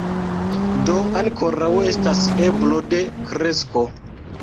Do ankoraŭ estas eblo de kresko.